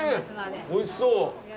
へえ、おいしそう。